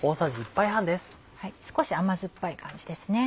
少し甘酸っぱい感じですね。